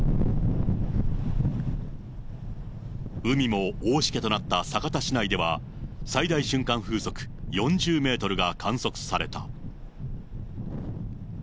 海も大しけとなった酒田市内では、最大瞬間風速４０メートルが観測された。